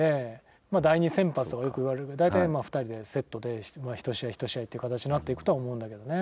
まあ第２先発とかよく言われる大体２人でセットで一試合一試合って形になっていくとは思うんだけどね。